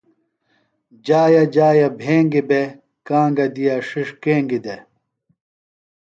جایہ جایہ بھنگیۡ بےۡ، گانگہ دِیا ݜِݜ کینگیۡ دےۡ